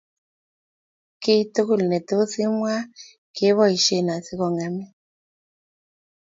Kiiy tugul netos imwaa keboishen asigongemin